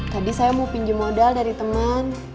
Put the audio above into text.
tadi saya mau pinjam modal dari teman